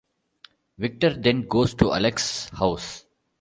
Victor then goes to Alex's house.